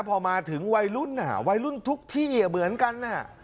พอมาถึงวัยรุ่นวัยรุ่นทุกที่เหมือนกัน